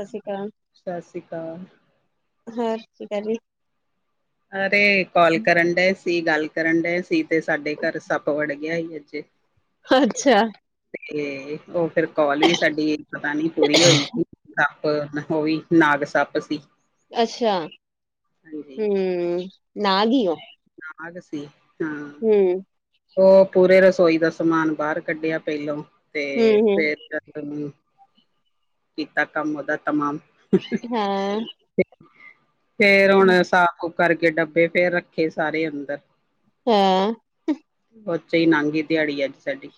ਸਸ਼ੀ ਕਾਲ, ਸਤਿ ਸ੍ਰੀ ਅਕਾਲ ਹੋਰ ਕੀ ਕਰ ਰਈ? ਅਰੇ ਕੋਲ ਕਰਨ ਡਏ ਸੀ, ਗੱਲ ਕਰਨ ਡਏ ਸੀ, ਤੇ ਸਾਡੇ ਘਰ ਸੱਪ ਵੜ ਗਿਆ ਸੀ ਅੱਜ। ਅੱਛਾ। ਤੇ ਓ ਫਿਰ ਕੋਲ ਵੀ ਸਾਡੀ ਪਤਾ ਨੀ ਪੂਰੀ ਹੋਈ ਕਿ ਸੱਪ ਓ ਵੀ ਨਾਗ ਸੱਪ ਸੀ। ਅੱਸ਼ਾ, ਹਾਂਜੀ ਹੂੰ, ਨਾਗ ਈ ਓ। ਨਾਗ ਸੀ, ਹਾਂ। ਹੂੰ। ਓ ਪੂਰੇ ਰਸੋਈ ਦਾ ਸਮਾਨ ਬਾਰ ਕੱਢੇਆ ਪੈਲੋਂ ਤੇ ਹੂੰ, ਹੂੰ ਫੇਰ ਜਾ ਕੇ ਕੀਤਾ ਕੰਮ ਓਦਾ ਤਮਾਮ। ਹਾਂ। ਫੇਰ ਹੁਣ ਸਾਫ਼-ਸੂਫ ਕਰਕੇ ਡੱਬੇ, ਫੇਰ ਰੱਖੇ ਸਾਰੇ ਅੰਦਰ। ਹੂੰ। ਬਾ ਓਚੇ ਈ ਲਾਂਘੀ ਦਿਹਾੜੀ ਅੱਜ ਸਾਡੀ।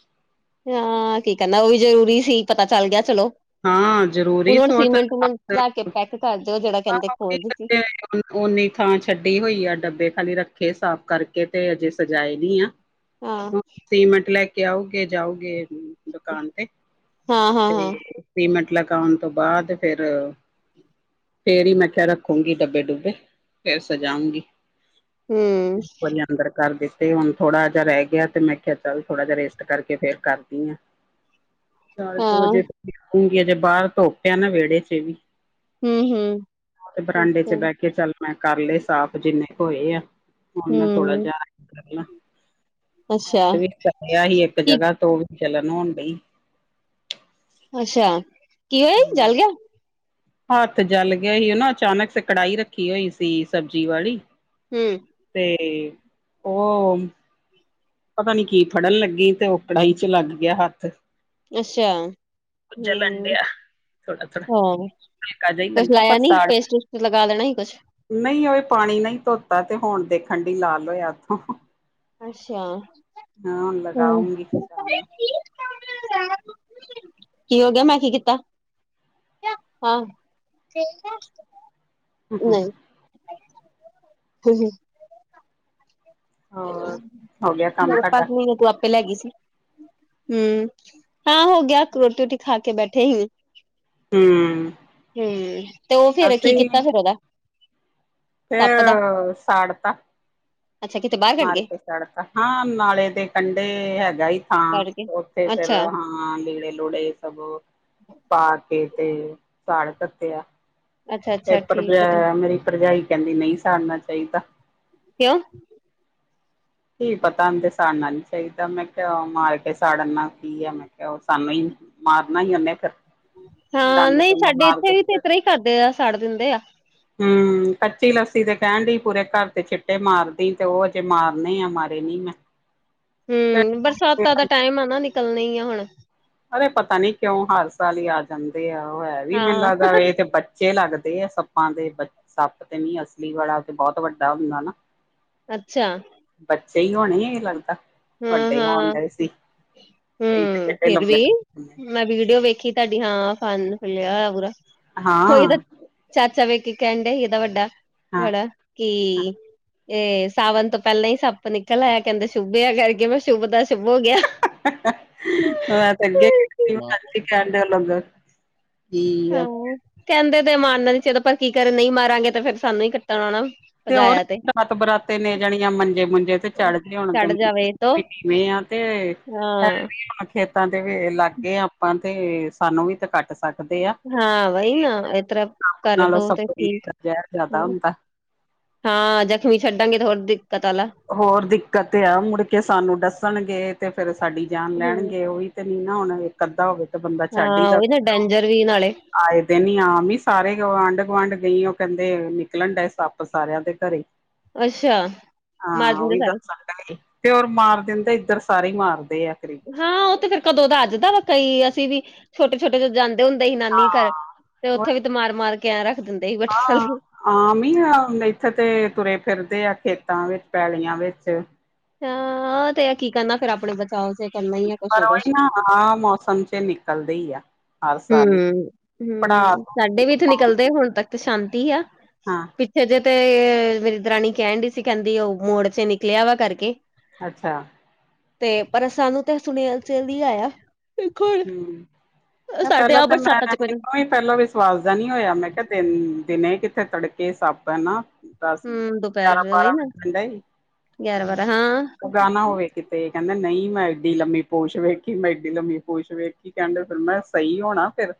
ਹਾਂ, ਕੀ ਕੈਨਾ ਓ ਵੀ ਜਰੂਰੀ ਸੀ ਪਤਾ ਚੱਲ ਗਿਆ ਚਲੋ, ਹਾਂ ਜ਼ਰੂਰੀ ਹੁਨ ਸੋ ਸੀਮੇਂਟ-ਉਮੇਂਟ ਲਾ ਕੇ ਪੈਕ ਕਰ ਦੇਓ ਜੇੜਾ ਕੈਂਦੇ [unintelligible] ਓਨੀਂ ਥਾਂ ਛੱਡੀ ਹੋਈ ਆ ਡੱਬੇ ਖਾਲੀ ਰੱਖੇ ਸਾਫ਼ ਕਰਕੇ ਤੇ ਅਜੇ ਸਜਾਏ ਨੀ ਆ। ਹਾਂ। ਹੁਣ ਸੀਮੈਂਟ ਲੈ ਕੇ ਆਓਗੇ ਜਾਓਗੇ ਦੁਕਾਨ ਤੇ, ਹਾਂ, ਹਾਂ, ਤੇ ਹਾਂ, ਸੀਮੈਂਟ ਲਗੋਨ ਤੋਂ ਬਾਦ ਫਿਰ ਫੇਰ ਈ ਮੈਂ ਕਿਆ ਰੱਖੂੰਗੀ ਡੱਬੇ-ਡੁੱਬੇ, ਫੇਰ ਸਜਾਊਂਗੀ। ਹੂੰ। ਇੱਕ ਵਾਰੀ ਅੰਦਰ ਕਰ ਦਿੱਤੇ ਹੁਣ ਥੋੜਾ ਜਿਹਾ ਰਹਿ ਗਿਆ, ਤੇ ਮੈਂ ਕਿਹਾ ਚੱਲ ਥੋੜਾ ਜਿਹਾ ਰੇਸਟ ਕਰਕੇ, ਫੇਰ ਕਰਦੀ ਹਾਂ। ਚਾਰ ਕੁ ਹਾਂ, ਵਜੇ [inaudible] ਹਜੇ ਬਾਹਰ ਧੂਪ ਹੈਂ ਨਾ, ਵਿਹੜੇ ਚ ਵੀ। ਹੂੰ-ਹੂੰ! ਤੇ ਬਰਾਂਡੇ ਚ ਬੈ ਕੇ, ਚੱਲ ਮੈਂ ਕਰ ਲਏ ਸਾਫ਼ ਜਿੰਨੇ ਕੁ ਹੋਏਆਂ। ਹੁਣ ਮੈਂ ਥੋੜਾ ਹੂੰ, ਜਿਹਾ ਰੈਸਟ ਕਰ ਲਾ ਅੱਛਾ ਹੱਥ ਵੀ ਥੱਕ ਗਿਆ ਇੱਕ ਕੀ ਜਗਾਂਹ ਤੋਂ। ਜਲਨ ਹੋਣ ਡਈ। ਅੱਛਾ! ਕੀ ਹੋਏਆ? ਜਲ ਹੂੰ, ਗਿਆ। ਹੱਥ ਜਲ ਗਿਆ ਸੀ, ਉਨਾ ਅਚਾਨਕ ਸੇ ਕੜਾਈ ਰੱਖੀ ਹੋਈ ਸੀ, ਸਬਜ਼ੀ ਵਾਲੀ। ਹੂੰ! ਤੇ ਉ ਪਤਾ ਨੀ ਕੀ ਫੜਨ ਲੱਗੀ? ਤੇ ਉਹ ਕੜਾਹੀ ਚ ਹੀ ਲੱਗ ਗਿਆ ਹੱਥ। ਅੱਛਾ! ਜਲਨ ਹੂੰ। ਡਿਆ। ਥੋੜਾ-ਥੋੜਾ, ਹਾਂ, ਹਲਕਾ ਜਿਹਾ ਕੁਛ ਲੱਗਾ, ਪਰ ਲਾਇਆ ਨੀ ਪੇਸਟ ਸਾੜਤਾ ਪੂਸਟ ਲਗਾ ਲੈਣਾ ਸੀ ਕੁਛ। ਨਹੀਂਓ ਪਾਣੀ ਨਹੀਂ ਧੋਤਾ। ਤੇ ਹੁਣ ਦੇਖਣ ਡਈ ਲਾਲ ਹੋਇਆ ਹੱਥ, ਹੀ-ਹੀ। ਅੱਛਾ, ਹੁਣ ਹੂੰ ਲਗਾਉਂਗੀ [inaudible] ਸ਼ਾਮ ਕੀ ਹੋ ਗਿਆ? ਮੈਂ ਕੀ ਕੀਤਾ? ਕਯਾ? ਹਾਂ, ਖੇਲਨਾ ਹੈ ਆਪਕੋ? ਨੂੰ ਨਹੀਂ! [inaudible] ਹੂੰ-ਹੂੰ। ਹੋਰ ਹੋ ਗਿਆ ਕੰਮ ਹੂੰ, ਤੁਹਾਡਾ ਪੰਜਵੇ ਮਹੀਨੇ ਤੂ ਆਪੇ ਲੈ ਗਈ ਸੀ। ਹੂੰ ਹਾਂ ਹੋ ਗਿਆ, ਰੋਟੀ-ਰੁਟੀ ਖਾ ਕੇ ਬੈਠੇ ਸੀ। ਹੂੰ ਹੂੰ, ਤੇ ਉਹ ਫੇਰ, ਕੀ ਕੀਤਾ ਫੇਰ ਉਹਦਾ? ਸੱਪ ਦਾ ਫੇਰ ਸਾੜ ਤਾ। ਅੱਛਾ ਕਿਤੇ ਬਾਹਰ ਕੱਢ ਮਾਰ ਗਏ ਕੇ ਸਾੜ ਤਾ, ਹਾਂ ਨਾਲੇ ਦੇ ਕੰਢੇ ਹੈਗਾ ਈ ਥਾਂ, ਕੱਢ ਕੇ ਉੱਥੇ ਫਿਰ ਅੱਛਾ ਹਾਂ, ਲੀੜੇ-ਲੂੜੇ ਸਭ ਪਾ ਕੇ ਤੇ ਸਾੜ ਦਿਤੇਆ। ਅੱਛਾ ਤੇ ਅੱਛਾ ਠੀਕ ਤੇ ਭਰਜਾ ਮੇਰੀ ਭਰਜਾਈ ਕਹਿੰਦੀ ਨਹੀਂ ਸਾੜਨਾ ਚਾਹੀਦਾ। ਕਿਉਂ? ਕੀ ਪਤਾ ਹੁੰਦੇ ਸਾੜਨਾ ਨੀ ਚਾਹੀਦਾ ਮੈਂ ਕਿਹਾ ਮਾਰ ਕੇ ਸਾੜਨਨਾ ਕੀ ਆ ਮੈਂ ਕਿਹਾ ਉਹ ਸਾਨੂੰ ਹੀ ਮਾਰਨਾ ਹੀ ਨੇ ਫਿਰ, ਹਾਂ ਨਹੀਂ ਡੰਗ-ਡੂੰਗ ਸਾਡੇ ਮਾਰ ਗ ਇੱਥੇ ਵੀ ਤੇ ਇਸ ਤਰ੍ਹਾਂ ਹੀ ਕਰਦੇ ਆ ਸਾੜ ਦਿੰਦੇ ਆ ਹੂੰ, ਕੱਚੀ ਲੱਸੀ ਤੇ ਕਹਿਡੀ ਪੂਰੇ ਘਰ ਤੇ ਛਿੱਟੇ ਮਾਰਦੀ ਤੇ ਉ ਹਜੇ ਮਾਰ ਨਹੀ ਆ ਮਾਰੇ ਨੀ ਮੈਂ। ਹੂੰ, ਬਰਸਾਤਾਂ ਦਾ ਟਾਈਮ ਆ ਨਾ ਨਿਕਲਨੇ ਹੀ ਆ ਹੁਣ। ਅਰੇ ਪਤਾ ਨੀ ਕਿਉਂ ਹਰ ਸਾਲ ਹੀ ਆ ਜਾਂਦੇ ਆ, ਉਹ ਹੈ ਵੀ ਮੈਨੂੰ ਹਾਂ ਲੱਗਦਾ ਏ ਬ ਬਚੇ ਲੱਗਦੇ ਆ ਸੱਪਾਂ ਦੇ ਬ ਸੱਪ ਤੇ ਨੀ ਅਸਲੀ ਵਾਲਾ ਤੇ ਬਹੁਤ ਵੱਡਾ ਹੁੰਦਾ ਨਾ। ਅੱਛਾ। ਬੱਚੇ ਹੀ ਹੋਣੇ ਇਹ ਲੱਗਦਾ ਹਾਂ ਵੱਡੇ ਹਾਂ ਹੋਣ ਗਏ ਸੀ। ਹੂੰ, ਫਿਰ ਲੰਬੇ ਵੀ ਲੰਬੇ। ਮੈਂ ਵੀਡੀਓ ਵੇਖੀ ਤੁਹਾਡੀ ਹਾਂ ਫਨ ਫਿਲਿਆ ਹੋਯਾ ਪੂਰਾ। ਔਈ ਇਹਦਾ ਹਾਂ। ਚਾਚਾ ਵੇਖ ਕਹਿਡਿਆ ਸੀ ਇਹਦਾ ਵੱਡਾ ਹਾਂ ਬੜਾ ਕੀ ਇਹ ਸਾਵਨ ਤੋਂ ਪਹਿਲਾਂ ਹੀ ਸੱਪ ਨਿਕਲ ਆਇਆ, ਕਹਿੰਦਾ ਸ਼ੁਭਿਆ ਕਰਕੇ ਮੈਂ ਸ਼ੁੱਭ ਦਾ ਸ਼ੁੱਭ ਹੋ ਗਿਆ। ਮੈਂ ਤੇ ਅੱਗੇ ਕਹਿਣ ਡ [unintelligible] ਠੀਕ ਆ। ਹਾਂ ਕਹਿੰਦੇ ਤੇ ਮਾਰਨਾ ਨੀ ਚਾਹਿਦਾ, ਪਰ ਕੀ ਕਰ ਨਹੀਂ ਮਾਰਾਂਗੇ ਤੇ ਫਿਰ ਸਾਨੂੰ ਹੀ ਕੱਟਣ ਆਣਾ। ਤੇ ਹੋਰ ਰਾਤ-ਬਰਾਤੇ ਤੀਨੇ ਜਾਣੀਆਂ ਮੰਜੇ-ਮੁਜੇ ਤੇ ਚੜ੍ਹਦੇ ਹੋਣ ਚੜ ਤੇ ਜਾਵੇ ਤੋ ਕਿਵੇ ਆ ਤੇ ਹੈ ਹਾਂ ਵੀ ਖੇਤਾਂ ਦੇ ਵੀ ਲਾਗੇ ਆਪਾਂ ਤੇ ਸਾਨੂੰ ਵੀ ਤੇ ਕੱਟ ਸ ਹਾਂ ਵਈ ਨਾ ਏ ਤਰਾ ਨਾਲੋਂ ਕਰਦਾਗੇ ਸਪਰੇ ਠੀਕ ਦਾ ਜ਼ਹਿਰ ਜ਼ਿਆਦਾ ਹੁ ਹੁੰਦਾ। ਹਾਂ ਜ਼ਖ਼ਮੀ ਛੱਡਾਂਗੇ ਥੋੜ੍ਹਾ ਦਿੱਕਤ ਵਾਲਾ। ਹੋਰ ਦਿੱਕਤ ਤੇ ਆ ਮੁੜ ਕੇ ਸਾਨੂੰ ਦੱਸਣਗੇ ਤੇ ਫੇਰ ਸਾਡੀ ਜਾਨ ਹੂੰ ਲੈਣਗੇ ਓਵੀ। ਤੇ ਨਾ ਹੁਣ ਇੱਕ ਅੱਧਾ ਹੋਵੇ ਤੇ ਬੰਦਾ ਛੱਡ ਹੀ ਈ ਹਾਂ ਉਹੀ ਦਾਵੇ ਨਾ ਡੇਂਜਰ ਵੀ ਨਾਲੇ ਆਏ ਦਿਨ ਆਮ ਈ ਸਾਰੇ ਗੁਆਂਢ- ਗੁਆਂਢ ਗਈ, ਓ ਕੇਂਦੇ ਨਿਕਲਣ ਡਏ ਸੱਪ ਸਾਰੇਆਂ ਦੇ ਘਰੇ। ਅੱਛਾ। ਮਾਰ ਹਾਂ ਓ ਦਿੰਦੇ ਵੀ ਸਾਰੇ ਦੱਸਣ ਦੇ ਸੀ, ਤੇ ਹੋਰ ਮਾਰ ਦਿੰਦੇ ਇੱਧਰ ਸਾਰੇ ਮਾਰਦੇ ਆ ਕਰੀਬ। ਹਾਂ ਓ ਤੇ ਫੇਰ ਕਦੋਂ ਦਾ ਅੱਜ ਦਾ ਵਾ ਕਈ ਅਸੀਂ ਵੀ ਛੋਟੇ- ਛੋਟੇ ਜਦੋ ਜਾਂਦੇ ਹੁੰਦੇ ਸੀ ਨਾਨੀ ਘਰ, ਤੇ ਹਾਂ, ਉੱਥੇ ਵੀ ਤੇ ਮਾਰ- ਮਾਰ ਕੇ ਐਂ ਰੱਖ ਦਿੰਦੇ ਸੀ ਬਠਾ ਓਥੇ ਤੇ ਤੁਰੇ ਫਿਰਦੇ ਆ ਖੇਤਾਂ ਵਿੱਚ ਪੈਲੀਆਂ ਵਿੱਚ। ਹਾ ਤੇ ਆ ਕੀ ਕਰਨਾ ਫੇਰ ਆਪਣੇ ਬਚਾਓ ਚ। ਪਰ ਓਈ ਨਾ ਆ ਮੌਸਮ ਚ ਨਿਕਲਦੇ ਈ ਆ। ਹਰ ਸਾਲ ਹੀ ਹੁ ਹੁ ਪੜ੍ਹਾ ਸਾਡੇ ਵੀ ਇੱਥੇ ਨਿਕਲਦੇ ਹੁਣ ਤੱਕ ਤੇ ਸ਼ਾਂਤੀ ਆ। ਹਾਂ ਤਦੇ ਤੇ ਮੇਰੀ ਦਰਾਣੀ ਕੈਣ ਦਈ ਸੀ, ਕੇਂਦੀ ਓ ਮੋੜ ਨਿਕਲਿਆ ਵਾ ਕਰਕੇ। ਅੱਛਾ। ਤੇ ਪਰ ਸਾਨੂੰ ਤੇ ਸੁਨੇਆ ਚੋਵੀ ਆਇਆ ਦੇਖੋ ਹੁਣ ਨਾ ਸਾਡੇ ਪੇਲੇ ਆ ਤਾਂ ਬਰਸਾਤਾਂ ਚ ਕੋਈ ਨਾ, ਮੈਂ ਪੇਲਾ ਵਿਸ਼ਵਾਸ ਜੇਆ ਨੀ ਹੋਇਆ ਮੈਂ ਕੇਆ ਦਿਨ ਕਿੱਥੇ ਤੜਕੇ ਸੱਪ ਆ ਨਾ। ਦਸ ਗਿਆ, ਹੂੰ ਗਿਆਰਾਂ ਦੁਪਹਿਰ ਹੀ ਬਾਰਾਂ ਨਾ ਵਜੇ ਨਈ ਗਿਆਰਾਂ ਬਾਰਾਂ ਹਾਂ ਕੇ ਗਾਣਾ ਹੋਵੇ ਕਿ ਤੇ ਕੇਂਦਾ ਨਈ ਮੈਂ ਐਡੀ ਲੰਮੀ ਪੂਸ਼ ਵੇਖੀ ਮੈਂ ਐਡੀ ਲੰਮੀ ਪੂਸ਼ ਵੇਖੀ ਕੇਂਦਾ, ਫਿਰ ਮੈਂ ਸਈ ਹੋਣਾ ਫਿਰ।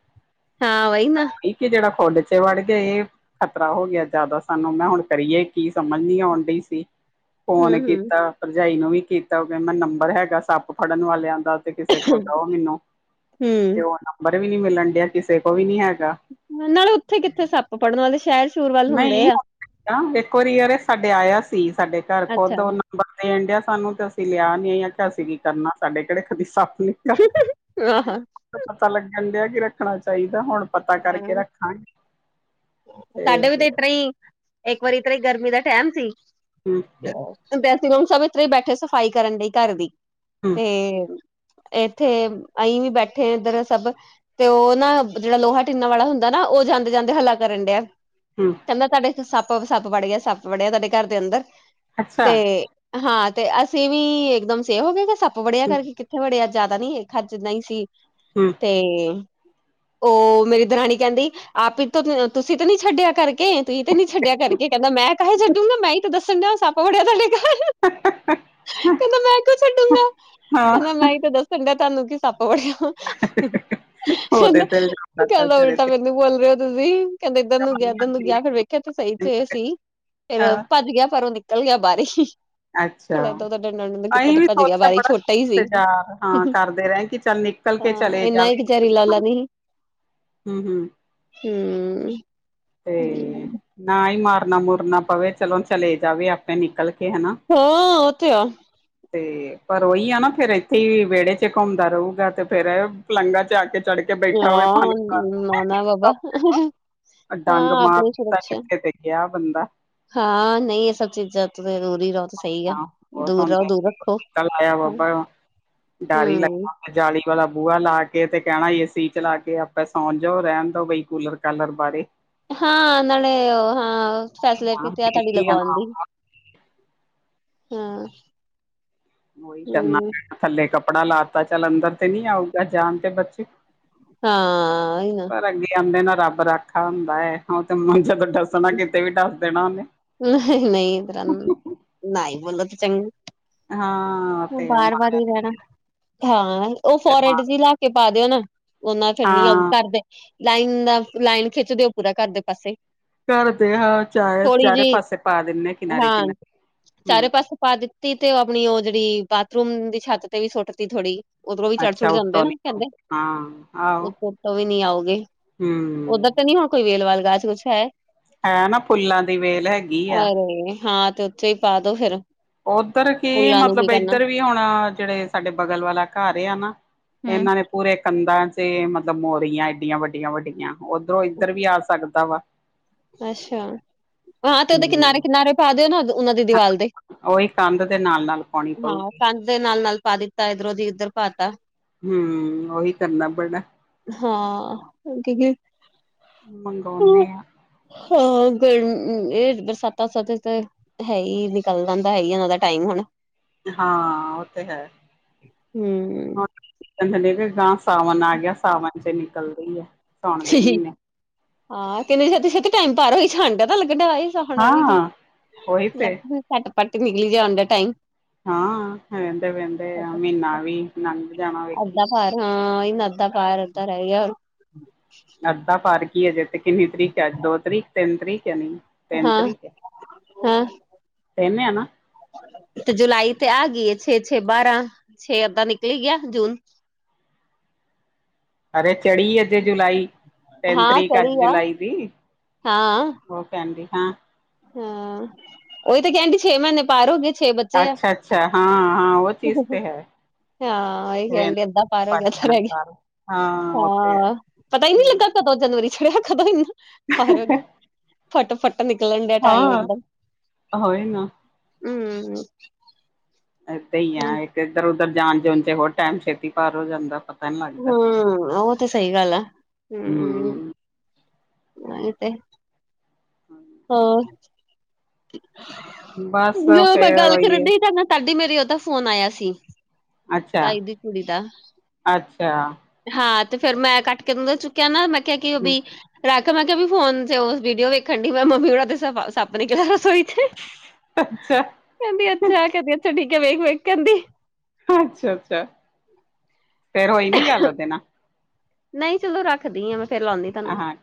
ਹਾਂ ਵਈ ਨਾ। ਇੱਕ ਜੇੜਾ ਖੋਡ ਚ ਵੜ ਗਏ ਖ਼ਤਰਾ ਹੋ ਗਿਆ ਜਿਆਦਾ ਸਾਨੂੰ ਨਾ ਹੁਣ ਕਰੀਏ ਕੀ ਸਮਝ ਨੀ ਆਓਂਦੀ ਸੀ। ਫੋਨ ਹੂੰ-ਹੂੰ। ਕੀਤਾ ਭਰਜਾਈ ਨੂੰ ਵੀ ਕੀਤਾ ਕ ਮੈਂ ਨੰਬਰ ਹੈਗਾ ਸੱਪ ਫੜਨ ਵਾਲਿਆਂ ਦਾ ਤੇ ਕਿਸੇ ਕੋਲ ਦਓ ਮੈਨੂੰ ਹੂੰ। ਤਾ ਓਦਾ ਨੰਬਰ ਵੀ ਨੀ ਮਿਲਣ ਡੇਆ ਕਿਸੇ ਕੋਲ ਵੀ ਨੀ ਹੈਗਾ। ਨਾਲੇ ਏਥੇ ਕਿੱਥੇ ਸੱਪ ਫੜ੍ਨ ਵਾਲੇ ਸ਼ੈਰ ਨਹੀਂ ਇੱਕ ਵਾਰੀ ਯਾਰ ਸਾਡੇ ਆਇਆ ਸੀ ਸਾਡੇ ਘਰ ਅੱਛਾ। ਖੁਦ ਓਨਾਂ ਨੰਬਰ ਦੇਨ ਦੇਆ ਸਾਨੂੰ ਤੇ ਅਸੀਂ ਲਿਆ ਨੀ ਅਸੀਂ ਕੀ ਕਰਨਾ ਸਾਡੇ ਕਿਹੜੇ ਕਦੀ ਸੱਪ ਠੀਕ ਆ, ਆਹਾ। ਪਤਾ ਲੱਗਣ ਡਿਆ ਕਿ ਰੱਖਣਾ ਚਾਹੀਦਾ ਹੁਣ ਪਤਾ ਹੈ, ਕਰਕੇ ਰੱਖਾਂਗੇ ਸਾਡੇ ਵੀ ਤੇ ਇਸ ਤਰਾਂ ਈ ਇੱਕ ਵਾਰੀ ਇਤਰਾ ਗਰਮੀ ਦਾ ਟੈਮ ਸੀ ਹੂੰ। ਅੱਛਾ, ਡ੍ਰੈਸਿੰਗ ਰੂਮ ਚ ਇਤਰੇ ਈ ਬੈਠੇ ਸਫ਼ਾਈ ਕਰਨ ਲਈ ਘਰ ਦੀ ਹੂੰ ਤੇ ਏਥੇ ਅਹੀ ਵੀ ਬੈਠੇ ਇੱਧਰ ਸਭ ਤੇ ਉਹ ਨਾ ਜੇੜਾ ਲੋਹਾ ਟੀੱਨਾ ਵਾਲਾ ਹੁੰਦਾ ਨਾ, ਉਹ ਜਾਂਦੇ-ਜਾਂਦੇ ਹੱਲਾ ਕਰਨ ਡਿਆ। ਹੂੰ ਪੇਲਾ ਸਾਡੇ ਏਥੇ ਸੱਪ -ਸੱਪ ਵੜ ਗਿਆ ਸੱਪ ਵੜਿਆ ਤੁਆਡੇ ਘਰ ਦੇ ਅੰਦਰ ਅੱਛਾ ਤੇ ਹੂੰ ਹਾਂ ਤੇ ਅਸੀਂ ਵੀ ਇਕਦਮ ਸੇਫ ਹੋ ਗਏ ਕੇ ਸੱਪ ਵੜਿਆ ਘਰ ਚ ਕਿੱਥੇ ਵੜਿਆ, ਜ਼ਾਦਾ ਨੀ ਹੇ ਹੱਥ ਚ ਨਈ ਸੀ। ਹੂੰ। ਹੂ---ਓ ਮੇਰੀ ਦਰਾਣੀ ਕੇਂਦੀ ਆਪ ਹੀ ਤੋਂ ਤੁਸੀਂ ਤਾਂ ਨੀ ਛੱਡਿਆ ਕਰਕੇ, ਤੁਸੀਂ ਤਾਂ ਨੀ ਛੱਡਿਆ ਕਰਕੇ, ਕੇਂਦਾ ਮੈਂ ਕਾਹੇ ਛੱਡੂਗਾ ਮੈਂ ਹੀ ਤਾਂ ਦੱਸਣ ਡਿਆਂ ਸੱਪ ਵੜਿਆ ਤੁਹਾਡੇ ਘਰ ਹਹਹ--ਹ, ਕੇਂਦਾ ਮੈਂ ਕਿਉਂ ਛੱਡੂੰਗਾ, ਕੇਂਦਾ ਮੈਂ ਈ ਤੇ ਦੱਸ ਕੈੰਦਾ, ਤਾਨੂੰ ਕਿ ਸੱਪ ਵੜੇਆ ਓਦੇ ਤੇ ੲਲਜਾਮ ਕੈੰਦਾ, ਉਲਟਾ ਮੈਨੂੰ ਬੋਲ ਰੇ ਓ ਤੁਸੀ, ਕੈੰਦੇ ਤਨੂੰ ਕੇਆ, ਤਨੂੰ ਕੇਆ, ਫੇਰ ਵੇਖੇਆ ਤੁ ਸਈ ਸੇ ਸੀ ਫੇਰ ਹਾਂ ਭੱਜ ਗੇਆ, ਪਰ ਓ ਨਿਕਲ ਗੇਆ ਬਾਰ ਈ ਅੱਛਾ ਥੋੜਾ ਏਦਾਂ-ਓਦਾਂ, ਡੰਡਾ-ਡੁੰਡਾ ਕੀਤਾ ਅਸੀਂ ਤੇ ਵੀ ਭੱਜ ਗੇਆ ਸੋਚਿਆ ਬਾਰ ਈ, ਬੜਾ ਛੋਟਾ ਈ ਸੀ ਇੰਤਜ਼ਾਰ ਹਾਂ ਕਰਦੇ ਰਹੇ ਕਿ ਚੱਲ ਨਿਕਲ ਕੇ ਆਂ, ਚਲੇ ਅੇਨਾ ਏ ਕੇ ਜ਼ਰੀਲਾ ਲਾ ਨੀ ਹੂੰ-ਹੂੰ। ਹੂੰ ਤੇ, ਨਾ ਈ ਮਾਰਨਾ-ਮੂਰਨਾ ਪਵੇ, ਚਲੋ ਚਲੇ ਜਾਵੇ ਆਪੇ ਨਿਕਲ ਕੇ, ਹੈਨਾ ਹਾਂ, ਓਥੇ ਆ [inaudible] ਤੇ, ਪਰ ਓਈ ਆ ਨਾ ਫੇਰ ਏਥੇ ਈ ਵੇੜੇ ਚ ਘੁੰਮਦਾ ਰਉਗਾ ਤੇ ਫੇਰ ਪਲੰਗਾ ਚਾਕ ਚਾੜ ਕੇ ਬੈਠਾ ਹੋਵੇ ਫੱਨ ਹਾਂ ਖਲਾਰ ਨਾ ਨਾ ਬਾਬਾ ਡੰਗ ਮਾਰ ਦਿੱਤਾ ਕਿਸੇ ਦੇ ਗੇਆ ਬੰਦਾ ਹਾਂ, ਨਈ ੲੈ ਸਭ ਚੀਜ਼ਾਂ ਤੋ ਦੂਰੀ ਰੋ ਆ, ਔਰ, ਫੋਣ, ਕੱਲ ਆਯਾ ਹਾਂ ਬੋਬਰ ਓ, ਡੱਰ ਈ ਹੂੰ ਲਗਦਾ ਜਾਲੀ ਵਾਲਾ ਬੂਆ ਲਾ ਕੇ ਤੇ ਕੈਣਾ ਯੀ ਏ ਸੀ ਚਲਾ ਕੇ ਆਪਾਂ ਸੌਂ ਜਾਓ, ਰੈਂਣ ਦੋ ਬਈ ਕੂਲਰ ਕਾਲਰ ਬਾਰੇ ਹਾਂ, ਨਾਲੇ ਓ ਹਾਂ ਹਾਂ ਫੈਸਲੇਟੀ ਤੇ ੲੈ ਤਾਡੀ ਵਿਹਲੀ ਆ ਲਗਵਾਣ ਨਾ ਦੀ। ਹਾਂ। ਓਈ ਕਰਨਾ ਹੂੰ ਪੈਣਾ, ਥੱਲੇ ਕੱਪੜਾ ਲਾ ਤਾ, ਚੱਲ ਅੰਦਰ ਤੇ ਨੀ ਆਊਗਾ, ਜਾਣ ਤੇ ਬਚੀ ਹਾਂ, ੳਈ ਨਾ। ਰਗੀ ਆਦੇ ਨਾ ਰੱਬ ਰੱਖਾ ਹੁੰਦਾ ੲੈ, ਹੋ ਤੇ ਮਜੇ ਤੇ ਡਸਣਾ ਕਿਤੇ ਵੀ ਡੱਸ ਦੇਣਾ ਓਨੇ ਨਈ ਬਰਾਣ, ਨਾਈ ਬੋਲੋ ਤਾਂ ਚੰ ਹਾਂ ਓ ਤੇ ਬਾਰ ਵਾਰ ਨੀ ਮਹਾਰਾਜ ਰੈਂਣਾ, ਹਾਂ ਓ ਫੋਰ ਹੈਡ ਜਿਲਾ ਕੇ ਪਾ ਦਿਓ ਨਾ, ਓਨਾ ਛੇਰ ਮੀ ਆਓ, ਹਾਂ ਕਾਰਦੇ ਲਾਈਨ ਦਾ ਲਾਈਨ ਖਿੱਚਦੇਓ ਪੂਰਾ ਘੱਰ ਦੇ ਪਾਸੇ ਘੱਰ ਦੇ ਹਾਂ ਚਾਰੇ, ਥੋੜੀ ਚਾਰੇ ਜਿਹੀ ਪਾਸੇ ਪਾ ਦਿੰਣੇ ਕਿਨਾਰੇ-ਕਿਨਾਰੇ, ਹੂੰ ਅਸੀ ਪਾ ਦਿੱਤੀ ਤੇ ਓ ਅਪਣੀ ਓ ਜਿੜੀ ਬਾਥਰੂਮ ਦੀ ਛੱਤ ਤੇ ਵੀ ਸੁੱਟ ਤੀ ਥੋੜੀ ਓਧਰੋਂ ਵੀ ਅੱਛਾ ਚੱੜ-ਚੁੜ ਕੇ ਅਉਦੇ ਉੱਤੋਂ ਨਾ, ਕੇ ਨੀ ਏਦਾ ਈ, ਹਾਂ ਆਹੋ ਉਤੋਂ ਤੋ ਵੀ ਨੀ ਆਉਗੇ ਓਧਾਂ ਹੂੰ ਤਾਂ ਨੀ ਹੋਣ ਕੋਈ ਵੇਲ-ਵਾਲ ਗਾਸ-ਗੂਸ ਹੈ। ਹੈਂ ਨਾ, ਫੁੱਲਾਂ ਦੀ ਵੇਲ ਹੈ। ਅਰੇ, ਹਾਂ ਤੇ ਉੱਥੇ ਈ ਪਾ ਦੋ ਫੇਰ ਉੱਧਰ ਕੀ ਫੁੱਲਾਂ ਨੂੰ ਮਤਲਬ ਕਰਨਾ ਏਧਰ ਵੀ ਹੋਣ ਜੇੜੇ ਸਾਡੇ ਬਗਲ ਵਾਲਾ ਘੱਰ ਏ ਨਾ ਹਮ ਏਨਾਂ ਨੇ ਪੂਰੇ ਕੰਧਾਂ ਚੇ ਮਤਲਬ ਮੋਰੀਆਂ ਏਡੀਆਂ ਵੱਡੀਆਂ-ਵੱਡੀਆਂ। ਉਧਰੋਂ ਇੱਧਰ ਵੀ ਆ ਸਕਦਾ ਵਾ ਅੱਛਾ, ਹਾਂ, ਤੇ ਓਦੇ ਹੂੰ ਕਿਨਾਰੇ-ਕਿਨਾਰੇ ਪਾ ਦੇਓ ਨਾ ਓਦ ਓਨਾਂ ਦੀ ਦੀਵਾਲ ਤੇ, ਉਹੀ ਕੰਧ ਦੇ ਨਾਲ ਨਾਲ ਪਾਉਣੀ ਹਾਂ, ਪਊਗੀ ਪਾ ਦੇ ਨਾਲ-ਨਾਲ ਪਾ ਦਿੱਤਾ ਏਧਰੋਂ ਦੀ ਇੱਧਰ ਪਾਤਾ ਹੂੰ! ਓਹੀ ਕਰਨਾ ਪਣਾ ਹਾਂ, ਉਕਿਕਿ ਮੰਗੋਣੇ ਆ ਹਾਂ, ਗੇਣ, ਏ ਬਰਸਾਤਾਂ ਸਾਥ ਤੇ ਹੈ ਈ ਨਿਕਲ ਪੈਦਾ ਹੈ ਈ ਏਨਾ ਦਾ ਟਾਈਮ ਹੁਣ ਹਾਂ, ਓਤੇ ਹੈ। ਹੂੰ। ਕਹਿੰਦੇ ਨੇ ਜੀ ਗਾਂ ਸਾਵਣ ਆ ਗਿਆ ਸਾਵਣ ਚ ਨਿਕਲਦੀ ਹੈ। ਹਾ ਕਿੰਨੀ ਛੇਤੀ-ਛੇਤੀ ਟਾਈਮ ਪਾਰ ਹੋਈ ਜਾਨ ਡੇਂਆ [unintelligible] ਗਾਣਾ ਵੀ ਗਿਆ ਹਾਂ ਉਹੀ ਲੱ ਤੇ ਸੱਟ ਪੱਟ ਨਿਕਲੀ ਜਾਉਣ ਦਾ ਟਾਈਮ। ਹਾਂ ਐਵੇਂ ਤਾਂ ਵਹਿੰਦੇ ਆ ਮੀਨਾ ਵੀ ਨੰਗ ਜਾਣਾ ਵੇਖੀ। ਕਾਰ ਹਾਂ ਇਹਨਾਂ ਅੱਧਾ ਕਾਰ ਅੱਧਾ ਰੇ ਗਿਆ। ਅੱਧਾ ਪਾਕ ਕੀ ਏ ਜੇ ਤੇ ਕਿੰਨੀ ਤਰੀਕ ਐ ਦੋ ਤਰੀਕ, ਤਿੰਨ ਤਰੀਕ ਹੈ ਨੀ। ਤੇਨ ਹਾਂ ਤਰੀਕ ਏ ਹਾਂ ਤੇਨ ਆ ਨਾ। ਤੇ ਜੁਲਾਈ ਤੇ ਆ ਗਈ ਏ ਛੇ-ਛੇ ਬਾਰਾਂ, ਛੇ ਅੱਦਾਂ ਨਿਕਲ ਈ ਗਿਆ ਜੂਨ। ਅਰੇ ਚੜ੍ਹੀ ਅੱਜੇ ਜੁਲਾਈ ਤੇਨ ਹਾਂ ਤਰੀਕ ਅੱਜ ਚੜੀ ਆ ਜੁਲਾਈ ਦੀ। ਓ ਕੇਂਦੀ ਹਾਂ। ਹੂੰ ਉਈ ਤੇ ਕਐਂਦੀ ਛੇ ਮੀਨੇ ਪਾਰ ਹੋ ਗੇ। ਅੱਛਾ-ਅੱਛਾ ਹਾਂ-ਹਾਂ ਉਹ ਚੀਜ਼ ਤੇ ਹੈ। ਹਾਂ ਉਹੀ ਕਹਿਣ ਡਿਆ ਅੱਧਾ ਪਾਰ ਹੋ ਪਟ ਗਿਆ ਅੱਧਾ ਜਾਣਾ ਰਹਿ ਗਿਆ ਸਾਰਾ ਹਾਂ ਉਹ ਤੇ ਹੈ ਹਾਂ ਪਤਾ ਹੀ ਨੀ ਹਮ, ਲੱਗਾ‌। ਕਦੋਂ ਜਨਵਰੀ ਚਛੜਿਆ ਕਦੋਂ ਇੰਨ ਪਾਰ ਹੋ ਗਿਆ ਫੱਟ-ਫੱਟ ਨਿ ਨਿਕਲਨ ਡਿਆ ਟਾਈਮ ਏਕ ਹਾਂ ਦਮ। ਹੋਏ ਨਾ ਏਦਾਂ ਈ ਆ ਇੱਧਰ-ਉੱਧਰ ਜਾਣ ਜੁਣ ਚ ਹੋਰ ਟੈਮ ਛੇਤੀ ਪਾਰ ਹੋ ਜਾਂਦਾ ਵਾ। ਪਤਾ ਨੀ ਲਗਦਾ ਹਮ ਉਹ ਤੇ ਸਹੀ ਗੱਲ ਆ ਹੂੰ। ਆ ਏ ਤੇ ਹਾਂਜ ਹੋਰ। ਬਸ ਜਦੋਂ ਮੈਂ ਫੇਰ ਗੱਲ ਉਹੀ ਕਰਨ ਹੈ ਡੀ ਡਾਡੇ ਨਾ ਤਾਡੀ ਮੇਰੀ ਓਦਾ ਫ਼ੋਨ ਆਯਾ ਸੀ। ਅੱਛਾ ਤਾਈ ਦੀ ਕੁੜੀ ਦਾ। ਅੱਛਾ ਹਾਂ ਤੇ ਫੇਰ ਮੈਂ ਕੱਟ ਕੇ ਉਂਦਾ ਚੁੱਕਿਆ ਨਾ ਮੈਂ ਕਿਆ ਕਿ ਉਹ ਬੀ ਰੱਖ ਮੈਂ ਕਿਹਾ ਵੀ ਫ਼ੋਨ ਚ ਉਸ ਵੀਡੀਓ ਵੇਖਣ ਡੀ ਮੈਂ ਮੰਮੀ ਹੋਰਾਂ ਤੇ ਸੱਪ ਨਿਕ ਨਿਕਲਿਆ ਰਸੋਈ ਚ। ਅੱਛਾ। ਕੇਂਦੀ ਅੱਛਾ ਕੇਂਦੀ ਅੱਛਾ ਠੀਕ ਐ ਵੇਖ-ਵੇਖ ਕੇਂਦੀ। ਅੱਛਾ-ਅੱਛਾ ਫੇਰ ਹੋਈ ਨੀ ਗਾਲ ਉਦੇ ਨਾ। ਨਈ ਚਲੋ ਰੱਖਦੀ ਆ ਮੈਂ ਫੇਰ ਲੋਨੀ ਤਾਨੂੰ। ਹਾਂ